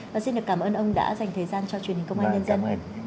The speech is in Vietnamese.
và xin được cảm ơn ông đã dành thời gian cho truyền hình công an nhân dân